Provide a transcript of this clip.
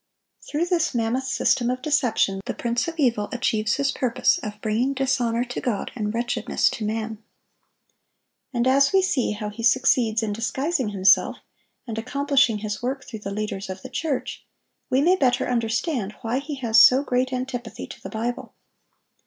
Through this mammoth system of deception the prince of evil achieves his purpose of bringing dishonor to God and wretchedness to man. And as we see how he succeeds in disguising himself, and accomplishing his work through the leaders of the church, we may better understand why he has so great antipathy to the Bible.